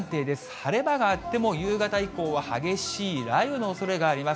晴れ間があっても夕方以降は激しい雷雨のおそれがあります。